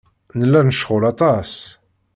Nella necɣel aṭas.